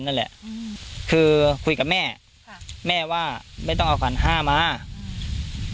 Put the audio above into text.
นั่นแหละอืมคือคุยกับแม่ค่ะแม่ว่าไม่ต้องเอาขวัญห้ามาอืม